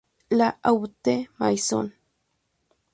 La Haute-Maison